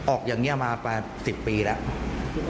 ออกอย่างนี้มา๘๐ปีแล้ว